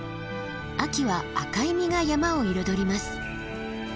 秋は赤い実が山を彩ります。